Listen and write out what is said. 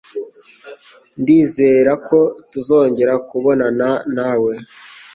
Ndizera ko tuzongera kubonana nawe.